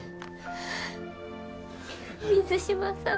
水島さん。